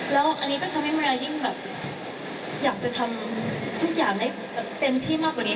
แล้วอันนี้ก็ทำให้เวลายิ่งแบบอยากจะทำทุกอย่างได้แบบเต็มที่มากกว่านี้